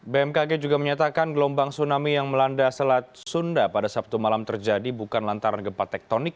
bmkg juga menyatakan gelombang tsunami yang melanda selat sunda pada sabtu malam terjadi bukan lantaran gempa tektonik